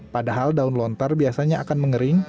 padahal daun lontar biasanya akan mengering